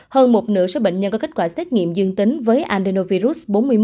hơn một nửa số bệnh nhân có kết quả xét nghiệm dương tính với andenovirus bốn mươi một